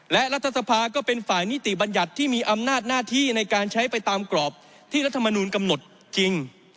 และรัฐสภาก็เป็นฝ่ายนิติบัญญัติที่มีอำนาจหน้าที่ในการใช้ไปตามกรอบที่รัฐมนูลกำหนดจริง